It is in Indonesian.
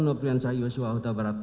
noprian syahyuswa huta barat